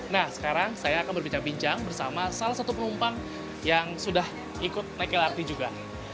nah sekarang saya akan berbincang bincang bersama salah satu penumpang yang sudah ikut naik lrt juga